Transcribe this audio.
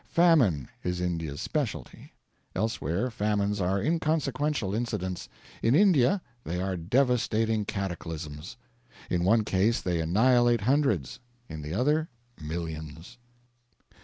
Famine is India's specialty. Elsewhere famines are inconsequential incidents in India they are devastating cataclysms; in one case they annihilate hundreds; in the other, millions.